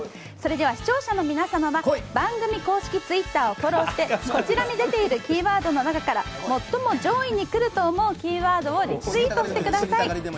それでは視聴者の皆さんは公式Ｔｗｉｔｔｅｒをフォローしてこちらに出ているキーワードの中から最も上位に来ると思うキーワードをリツイートしてください。